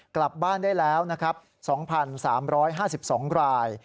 กลับบ้านได้แล้ว๒๓๕๒ราย